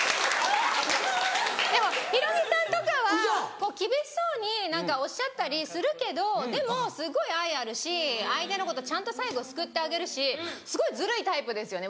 ヒロミさんとかは厳しそうにおっしゃったりするけどでもすごい愛あるし相手のことちゃんと最後すくってあげるしすごいずるいタイプですよね